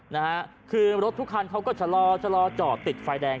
นะฮะคือรถทุกคันเขาก็ชะลอชะลอจอดติดไฟแดง